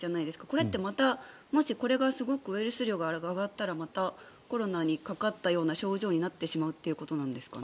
これってもしすごくウイルス量が上がったらまたコロナにかかったような症状になってしまうということなんですか？